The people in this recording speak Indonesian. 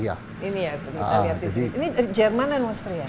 ini ya kita lihat di sini ini jerman dan austria